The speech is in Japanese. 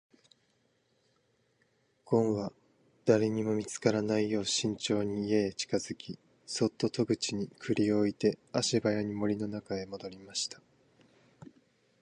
ごんは誰にも見つからないよう慎重に家へ近づき、そっと戸口に栗を置いて足早に森の中へ戻りました。